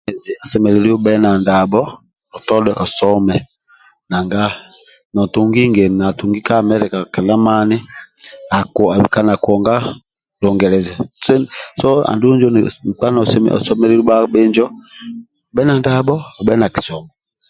Osemelelu obhe na ndabho otodhe osome nanga nontungi ngeni natugi ka America kedha mani aku akubika nakuonga lungeleza so andulu injo nkpa nosemelelu bha bhinjo obhe na ndabho obhe na kisomo.